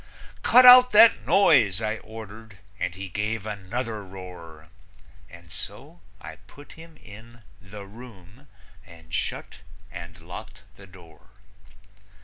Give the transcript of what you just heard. "Cut out that noise!" I ordered, and he gave another roar, And so I put him in "the room" and shut and locked the door.